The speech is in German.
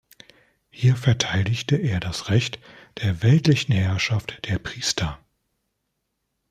Hier verteidigte er das Recht der weltlichen Herrschaft der Priester.